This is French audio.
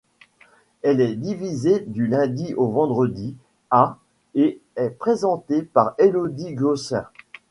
Elle est diffusée du lundi au vendredi à et est présentée par Élodie Gossuin.